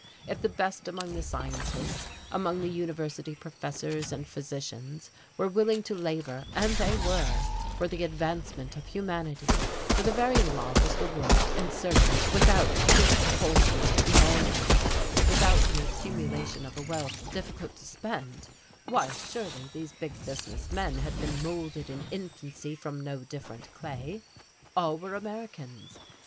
If the best among the scientists, among the university professors and physicians were willing to labour and they were for the advancement of humanity, for the very love of the work and service without disproportionate emoluments, without the accumulation of a wealth difficult to spend, why surely these big business men had been moulded in infancy from no different clay! All were Americans.